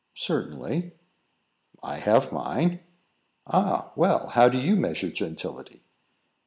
"Certainly." "I have mine." "Ah! Well, how do you measure gentility?"